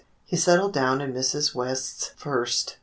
He settled down in Mrs. West's first.